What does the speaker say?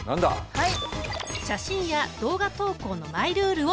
はい！